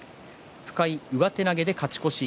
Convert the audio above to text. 深井、上手投げ、勝ち越し。